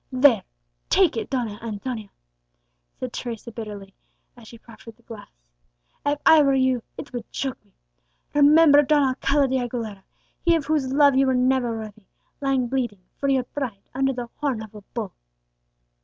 "There take it, Donna Antonia," said Teresa bitterly, as she proffered the glass. "If I were you, it would choke me! Remember Don Alcala de Aguilera he of whose love you never were worthy lying bleeding, for your pride, under the horn of a bull!"